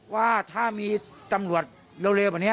ว่าถ้ามีตำรวจเลวบันนี้